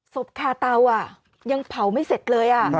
คาเตายังเผาไม่เสร็จเลย